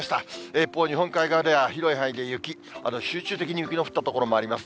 一方、日本海側では広い範囲で雪、集中的に雪の降った所もあります。